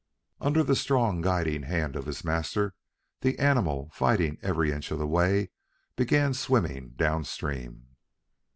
Under the strong guiding hand of his master, the animal fighting every inch of the way, began swimming down stream.